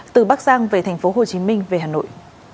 từ bắc giang về tp hồ chí minh về hà nội